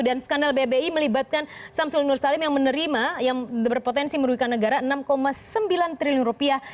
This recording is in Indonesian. dan skandal bbi melibatkan syamsul nursalim yang menerima yang berpotensi merugikan negara enam sembilan triliun rupiah